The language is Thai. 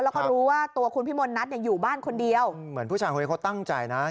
แล้วก็รู้ว่าตัวคุณพิมลนัทเนี่ยอยู่บ้านคนเดียวเหมือนผู้ชายคนนี้เขาตั้งใจนะ